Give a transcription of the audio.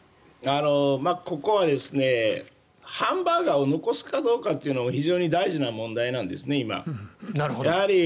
ここはハンバーガーを残すかどうかというのは非常に大事な問題なんですね、今。